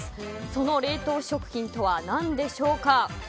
その冷凍食品とは何でしょうか。